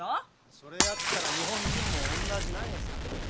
それやったら日本人もおんなじなんやさ。